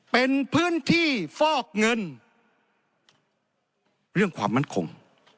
เป็นพื้นที่ฟอกเงินเรื่องความมั่นคง